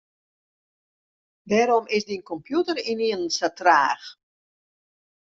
Wêrom is dyn kompjûter ynienen sa traach?